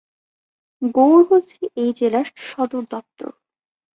গৌর হচ্ছে এই জেলার সদরদপ্তর।